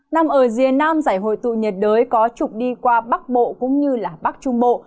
nằm ở rìa nam giải hội tụ nhiệt đới có trục đi qua bắc bộ cũng như bắc trung bộ